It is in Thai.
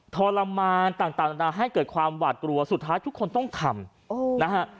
ทรมานต่างนานาให้เกิดความหวาดกลัวสุดท้ายทุกคนต้องทำนะฮะ